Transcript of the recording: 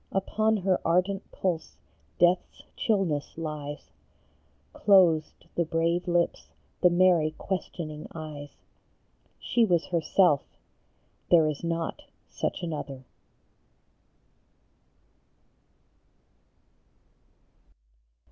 Upon her ardent pulse Death s cbillness lies ; Closed the brave lips, the merry, questioning eyes. She was herself ! there is not such another.